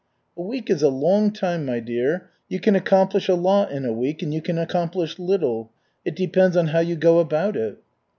"A week is a long time, my dear. You can accomplish a lot in a week, and you can accomplish little. It depends on how you go about it."